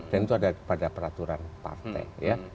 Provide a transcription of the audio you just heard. dan itu ada pada peraturan partai